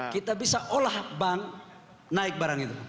kita bisa olah bank naik barang itu